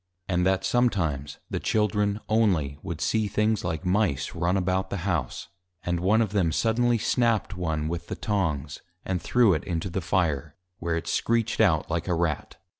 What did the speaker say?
And that sometimes, the Children (only) would see things like Mice, run about the House; and one of them suddenly snap'd one with the Tongs, and threw it into the Fire, where it screeched out like a Rat.